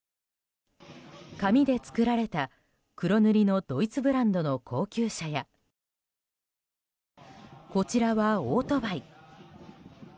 紙で作られた、黒塗りのドイツブランドの高級車やこちらはオートバイ。